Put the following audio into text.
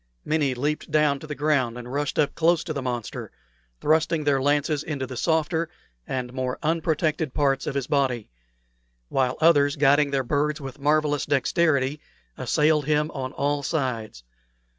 Many leaped down to the ground and rushed close up to the monster, thrusting their lances into the softer and more unprotected parts of his body; while others, guiding their birds with marvellous dexterity, assailed him on all sides.